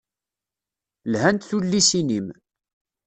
Lhant tullisin-im.